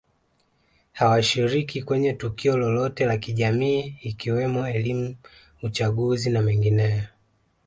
hawashiriki kwenye tukio lolote la kijamii ikiwemo elimu uchaguzi na mengineyo